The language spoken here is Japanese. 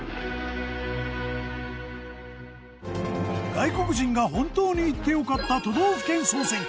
外国人が本当に行って良かった都道府県総選挙。